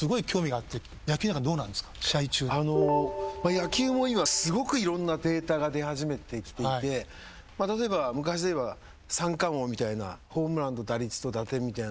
野球も今すごくいろんなデータが出始めてきていて例えば昔でいえば三冠王みたいなホームランと打率と打点みたいな。